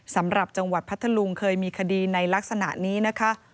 สำหรับจังหวัดพัทธลุงเคยมีคดีในลักษณะนี้นะคะ